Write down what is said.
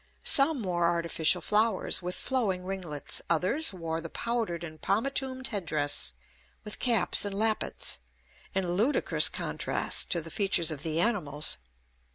Some wore artificial flowers, with flowing ringlets; others wore the powdered and pomatumed head dress, with caps and lappets, in ludicrous contrast to the features of the animals.